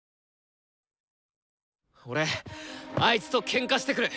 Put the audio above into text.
俺あいつとケンカしてくる！